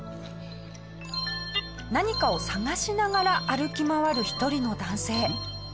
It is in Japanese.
何かを探しながら歩き回る１人の男性。